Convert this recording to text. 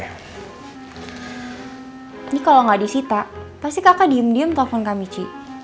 ini kalo gak di sita pasti kakak diem diem telfon kak michi